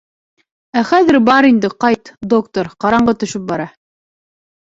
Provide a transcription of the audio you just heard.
Ә хәҙер бар инде, ҡайт, доктор, ҡараңғы төшөп бара.